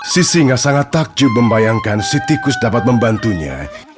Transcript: sisinga sangat takjub membayangkan sitikus dapat membantunya